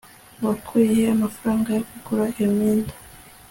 Wakuye he amafaranga yo kugura iyo myenda